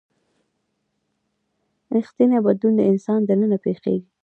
ریښتینی بدلون د انسان دننه پیښیږي.